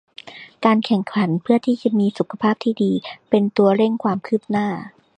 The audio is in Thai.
การแข่งขันเพื่อที่จะมีสุขภาพดีเป็นตัวเร่งความคืบหน้า